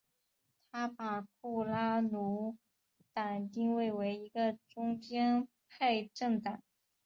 他把库拉努党定位为一个中间派政党。